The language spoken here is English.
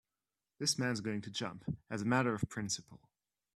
This man's going to jump as a matter of principle.